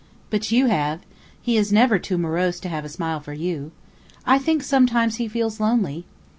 "But you have. He is never too morose to have a smile for you. I think, sometimes, he feels lonely.